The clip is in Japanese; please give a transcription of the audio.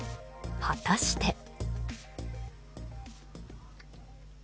果たして。